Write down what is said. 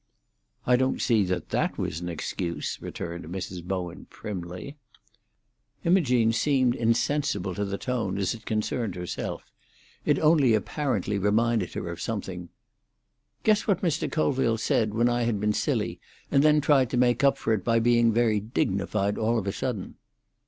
"I don't see that that was an excuse," returned Mrs. Bowen primly. Imogene seemed insensible to the tone, as it concerned herself; it only apparently reminded her of something. "Guess what Mr. Colville said, when I had been silly, and then tried to make up for it by being very dignified all of a sudden?"